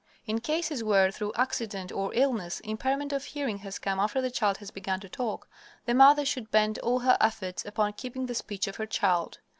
In cases where, through accident or illness, impairment of hearing has come after the child has begun to talk, the mother should bend all her efforts upon keeping the speech of her child.